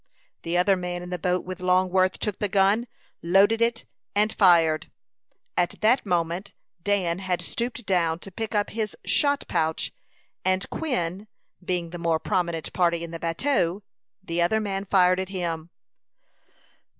The other man in the boat with Longworth took the gun, loaded it, and fired. At that moment Dan had stooped down to pick up his shot pouch, and Quin being the more prominent party in the bateau, the other man fired at him.